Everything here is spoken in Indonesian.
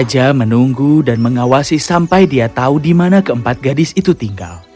dia menunggu dan mengawasi sampai dia tahu di mana keempat gadis itu tinggal